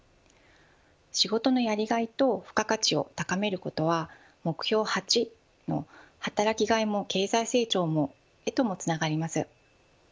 仕事のやりがいと付加価値を高めることは目標８の働きがいも経済成長へとつながります。